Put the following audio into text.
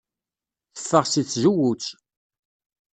Teffeɣ seg tzewwut.